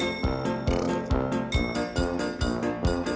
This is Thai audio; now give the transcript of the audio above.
แล้วมันยังพุ่งดีต่อไป